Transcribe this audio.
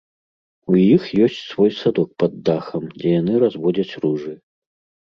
У іх ёсць свой садок пад дахам, дзе яны разводзяць ружы.